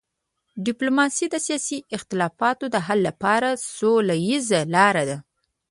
ډیپلوماسي د سیاسي اختلافاتو د حل لپاره سوله ییزه لار ده.